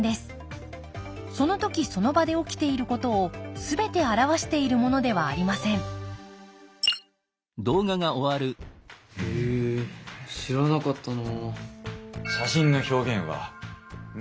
その時その場で起きていることをすべて表しているものではありませんへえ知らなかったな。